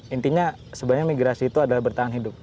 intinya sebenarnya migrasi itu adalah bertahan hidup